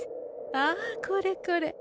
ああこれこれ。